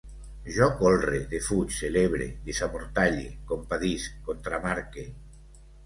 Jo colre, defuig, celebre, desamortalle, compadisc, contramarque